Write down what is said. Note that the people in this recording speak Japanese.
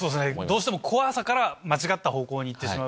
どうしても怖さから間違った方向に行ってしまう。